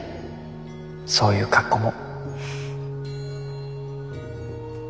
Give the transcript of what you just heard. そういう格好も。